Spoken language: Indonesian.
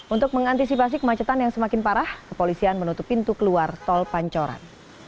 untuk mengantisipasi kemacetan yang semakin parah kepolisian menutup pintu keluar tol pancoran